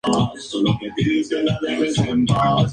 Ella ha venido a estar satisfecha si parece que no hizo nada.